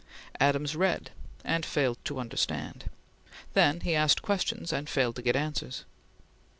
Adams read and failed to understand; then he asked questions and failed to get answers.